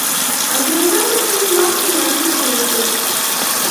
انګریزان د خپلې ماتې لامل پلټي.